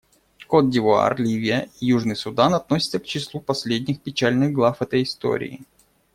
Котд'Ивуар, Ливия и Южный Судан относятся к числу последних печальных глав этой истории.